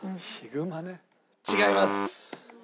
違います。